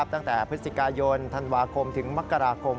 ตั้งแต่พฤศจิกายนธันวาคมถึงมกราคม